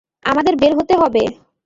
আমাদের বের হতে হবে!